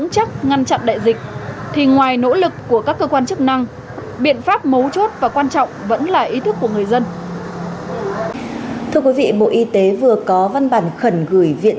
tránh nguy cơ lây lan dịch bệnh khi người dân